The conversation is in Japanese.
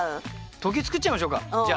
「時」作っちゃいましょうかじゃあ。